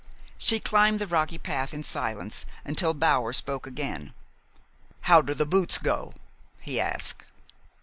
She climbed the rocky path in silence until Bower spoke again. "How do the boots go?" he asked.